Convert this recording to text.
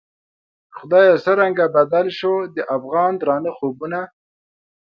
خدایه څرنګه بدل شوو، د افغان درانه خوبونه